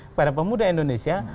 kepada pemuda indonesia